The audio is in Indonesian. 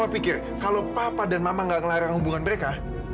pikir kalau papa dan mama gak ngelarang hubungan mereka